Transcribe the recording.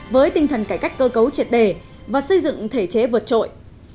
với tinh thần cải cách cơ cấu triệt đề và xây dựng thể chế vượt trội